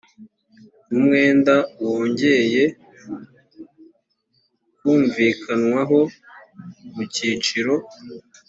umwenda wongeye kumvikanwaho mu cyiciro